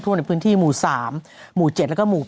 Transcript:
ทั่วเนื้อพื้นที่หมู่๓หมู่๗แล้วก็หมู่๘